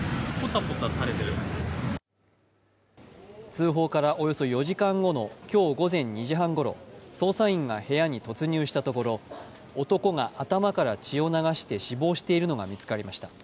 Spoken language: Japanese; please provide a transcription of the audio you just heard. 通報からおよそ４時間後の今日午前２時半ごろ、捜査員が部屋に突入したところ、男が頭から血を流して死亡しているのが見つかりました。